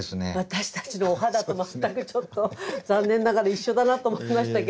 私たちのお肌と全くちょっと残念ながら一緒だなと思いましたけれども。